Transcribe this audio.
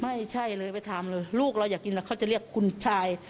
ไม่ใช่เลยไปถามเลยลูกเราอยากกินแล้วเขาจะเรียกคุณชาย